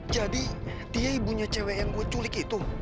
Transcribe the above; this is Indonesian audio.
jadi dia ibunya cewek yang gue culik itu